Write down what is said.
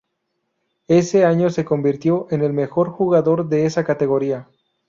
Ese año se convirtió en el mejor jugador de esa categoría.